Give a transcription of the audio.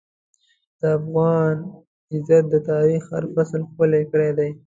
د افغان غیرت د تاریخ هر فصل ښکلی کړی دی.